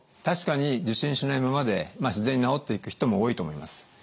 確かに受診しないままで自然に治っていく人も多いと思います。